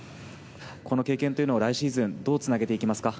この経験を来シーズンどうつなげていきますか？